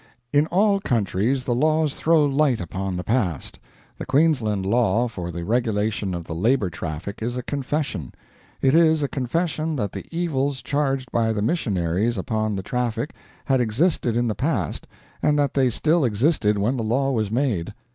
In all countries the laws throw light upon the past. The Queensland law for the regulation of the Labor Traffic is a confession. It is a confession that the evils charged by the missionaries upon the traffic had existed in the past, and that they still existed when the law was made.